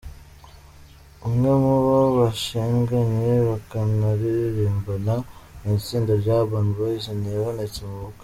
Umwe mu bo bashinganye bakanaririmbana mu itsinda rya Urban Boyz ntiyabonetse mu bukwe.